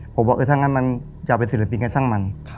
ผมบอกเออทั้งนั้นมันอยากเป็นศิลปินกันช่างมัน